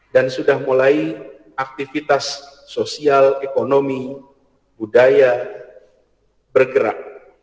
sudah mulai aktivitas sosial ekonomi budaya bergerak